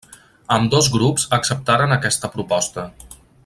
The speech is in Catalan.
Ambdós grups acceptaren aquesta proposta.